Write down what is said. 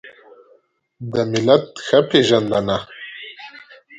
د ملت ښه پېژندنه